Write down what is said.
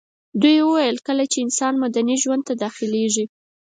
دوی وايي کله چي انسان مدني ژوند ته داخليږي